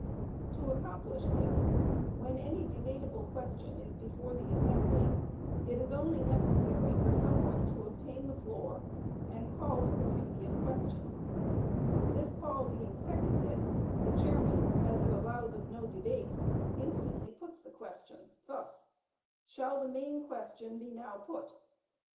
To accomplish this, when any debatable question is before the assembly, it is only necessary for some one to obtain the floor and "call for the previous question;" this call being seconded, the chairman, as it allows of no debate, instantly puts the question, thus: "Shall the main question be now put?"